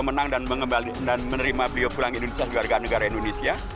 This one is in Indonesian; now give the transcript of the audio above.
pak prabowo menang dan menerima beliau pulang indonesia sebagai warga negara indonesia